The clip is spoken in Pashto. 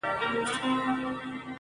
بهېږي مي رګ رګ کي ستا شراب شراب خیالونه-